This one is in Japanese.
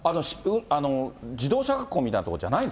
自動車学校みたいな所じゃないの？